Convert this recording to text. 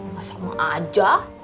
masa emang aja